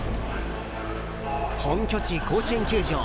本拠地・甲子園球場。